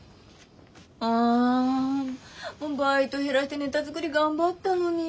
あバイト減らしてネタ作り頑張ったのに。